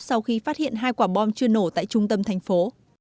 sau khi phát hiện hai quả bom chưa nổ tại trung tâm thành phố